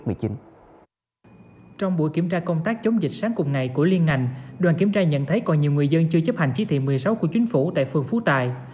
trong buổi kiểm tra công tác chống dịch sáng cùng ngày của liên ngành đoàn kiểm tra nhận thấy còn nhiều người dân chưa chấp hành chỉ thị một mươi sáu của chính phủ tại phường phú tài